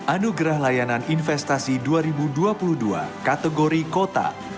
anugerah layanan investasi dua ribu dua puluh dua kategori kota